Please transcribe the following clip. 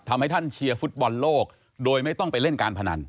ทำให้ท่านเชียร์ฟุตบอลโลกโดยไม่ต้องไปเล่นการพนัน